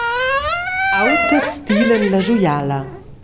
Auters tilan la schuiala.